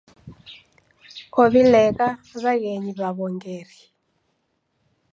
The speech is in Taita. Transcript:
Ow'ilegha w'aghenyi w'aw'ongeri.